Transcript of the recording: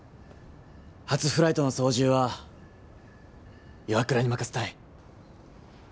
初フライトの操縦は岩倉に任すったい。